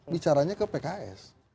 bicaranya ke pks